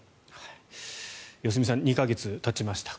良純さん２か月たちました。